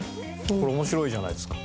これ面白いじゃないですか。